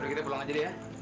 kita pulang aja deh ya